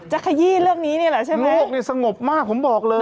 ขยี้เรื่องนี้นี่แหละใช่ไหมโลกนี่สงบมากผมบอกเลย